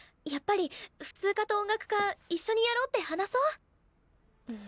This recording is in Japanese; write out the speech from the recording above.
やっぱり普通科と音楽科一緒にやろうって話そう？